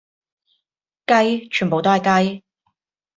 雞，全部都係雞